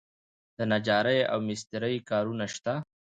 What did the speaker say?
د نجارۍ او مسترۍ کارونه شته؟